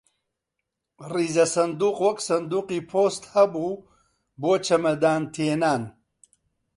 ڕیزە سندووق وەک سندووقی پۆست هەبوو بۆ چەمەدان تێنان